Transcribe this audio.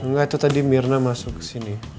enggak tuh tadi mirna masuk kesini